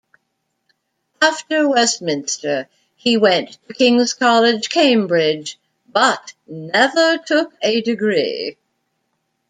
After Westminster, he went to King's College, Cambridge but never took a degree.